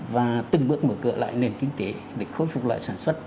và từng bước mở cửa lại nền kinh tế để khôi phục lại sản xuất